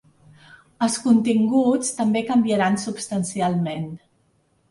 Els continguts també canviaran substancialment.